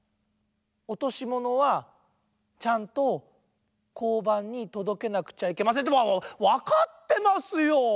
「おとしものはちゃんとこうばんにとどけなくちゃいけません」ってわかってますよ！